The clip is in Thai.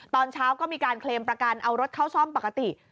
ตอนเช้าก็มีการเคลมประกันเอารถเข้าซ่อมปกติ